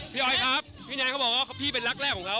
ออยครับพี่แนนเขาบอกว่าพี่เป็นรักแรกของเขา